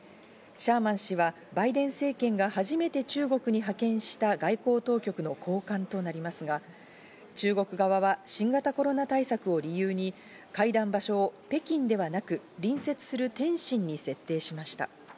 シャーマン氏はバイデン政権が初めて中国に派遣した外交当局の高官となりますが、中国側は新型コロナ対策を理由に会談場所を北京ではなく隣接する天津に設定しました。